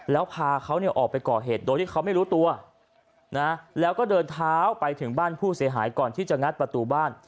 แล้วพาเขาออกไปก่อเหตุโดยที่เขาไม่รู้ตัวนะแล้วก็เดินเท้าไปถึงบ้านผู้เสียหายก่อนที่จะงัดประตูบ้าน